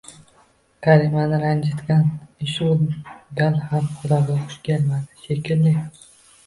Karimani ranjitgan ish bu gal ham xudoga xush kelmadi, shekilli